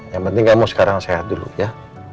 yang penting kamu sekarang sehat dulu ya